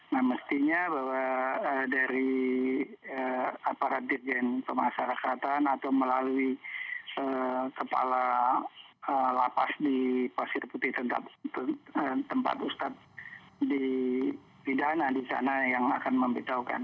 nah mestinya bahwa dari aparat dirjen pemasyarakatan atau melalui kepala lapas di pasir putih tempat ustad di pidana di sana yang akan memindahkan